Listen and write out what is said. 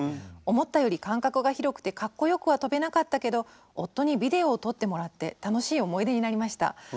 思ったより間隔が広くてかっこよくはとべなかったけど夫にビデオを撮ってもらって楽しい思い出になりました。